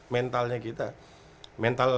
mentalnya kita mental